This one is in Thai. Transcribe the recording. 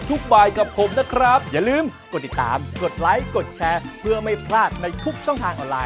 แต่ละร้านเขาจะไม่เหมือนค่ะนะน้ำซอสอะ